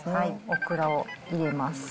オクラを入れます。